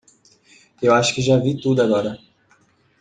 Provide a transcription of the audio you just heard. Eu acho que já vi tudo agora.